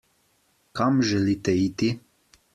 Kam želite iti?